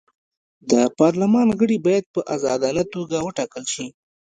د پارلمان غړي باید په ازادانه توګه وټاکل شي.